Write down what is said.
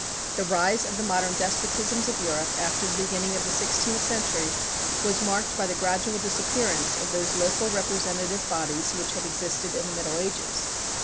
The rise of the modern despotisms of Europe, after the beginning of the sixteenth century, was marked by the gradual disappearance of those local representative bodies which had existed in the Middle Ages.